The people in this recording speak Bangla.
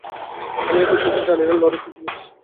আমি এ পর্যন্ত জানি না, লড়াই কী জিনিস?